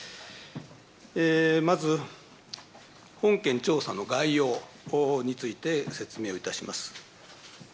まず、本件調査の概要について説明をいたします。